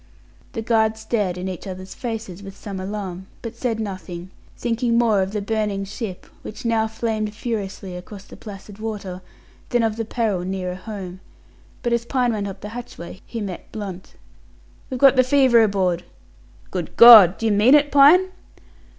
The guard stared in each other's faces, with some alarm, but said nothing, thinking more of the burning ship, which now flamed furiously across the placid water, than of peril nearer home; but as Pine went up the hatchway he met Blunt. "We've got the fever aboard!" "Good God! Do you mean it, Pine?"